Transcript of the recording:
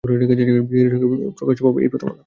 বিহারীর সঙ্গে আশার প্রকাশ্যভাবে এই প্রথম আলাপ।